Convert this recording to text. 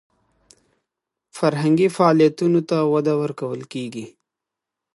فرهنګي فعالیتونو ته وده ورکول کیږي.